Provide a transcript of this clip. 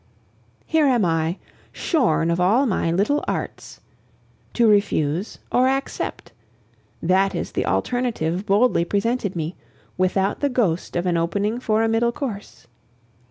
Here am I, shorn of all my little arts! To refuse or accept! That is the alternative boldly presented me, without the ghost of an opening for a middle course.